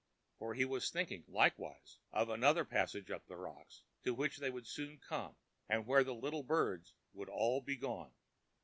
For he was thinking, likewise, of another passage up the rocks, to which they would soon come, and where the little birds would all be gone.